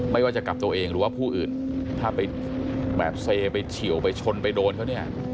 ไม่ว่าจะกับตัวเองหรือว่าผู้อื่นถ้าไปแบบเซไปเฉียวไปชนไปโดนเขาเนี่ย